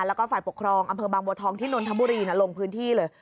แล้วก็ฝ่ายปกครองอำเภอบางบัวทองที่นนทบุรีลงพื้นที่เลย